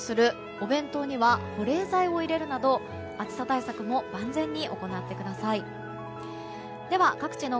お弁当には保冷剤を入れるなど暑さ対策も万全に行ってください。